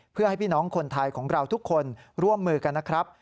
เพื่อให้พี่น้องคนไทยของเราทุกคนร่วมมือกันนะครับ